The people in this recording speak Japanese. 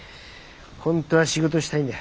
本当は仕事したいんだ。